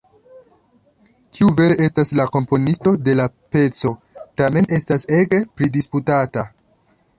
Kiu vere estas la komponisto de la peco, tamen estas ege pridisputata.